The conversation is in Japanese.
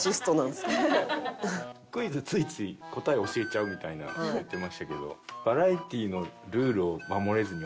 クイズついつい答えを教えちゃうみたいな言ってましたけど。